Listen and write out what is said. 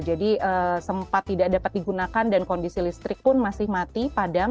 jadi sempat tidak dapat digunakan dan kondisi listrik pun masih mati padam